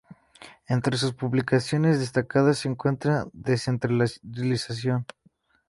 Entre sus publicaciones destacadas se encuentra "Descentralización.